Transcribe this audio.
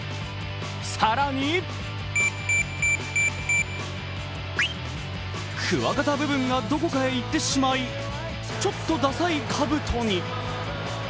更にくわがた部分がどこかへ行ってしまい、ちょっとださいかぶとに。